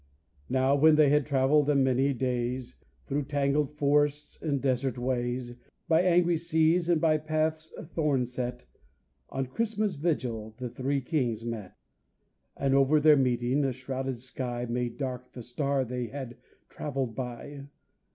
Now when they had travelled a many days Through tangled forests and desert ways, By angry seas and by paths thorn set On Christmas Vigil the three kings met. And over their meeting a shrouded sky Made dark the star they had travelled by.